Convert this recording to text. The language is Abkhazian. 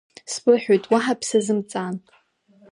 Сбыҳәоит уаҳа бсазымҵаан.